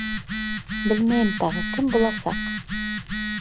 — Белмәйем тағы, кем буласаҡ?